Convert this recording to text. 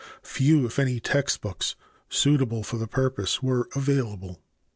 Few, if any, text books suitable for the purpose were available.